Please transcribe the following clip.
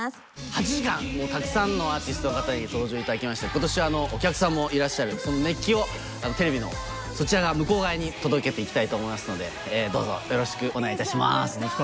８時間たくさんのアーティストの方に登場いただきまして今年はお客さんもいらっしゃるその熱気をテレビの向こう側に届けていきたいと思いますのでどうぞよろしくお願いいたします。